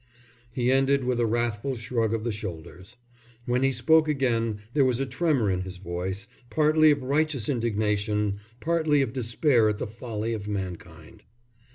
He ended with a wrathful shrug of the shoulders. When he spoke again there was a tremor in his voice, partly of righteous indignation, partly of despair at the folly of mankind.